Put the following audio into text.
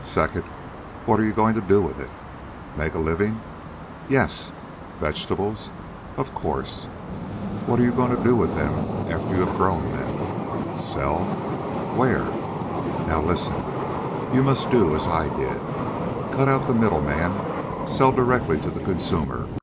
Second, what are you going to do with it? Make a living? Yes. Vegetables? Of course. What are you going to do with them after you have grown them? Sell. Where? Now listen. You must do as I did. Cut out the middle man. Sell directly to the consumer.